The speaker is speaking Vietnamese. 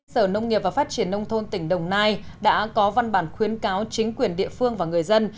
sở nông nghiệp và phát triển nông thôn tỉnh đồng nai đã có văn bản khuyến cáo chính quyền địa phương và người dân